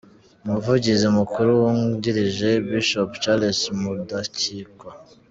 Umuvugizi mukuru wungirije: Bishop Charles Mudakikwa.